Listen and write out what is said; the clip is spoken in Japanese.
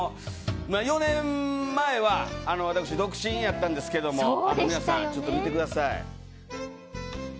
４年前は私独身やったんですけど皆さん、見てください。